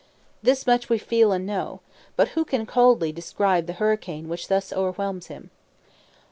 This much we feel and know, but who can coldly describe the hurricane which thus o'erwhelms him?